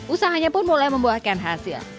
usahanya pun mulai membuahkan hasil